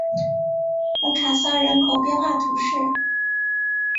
蒙卡桑人口变化图示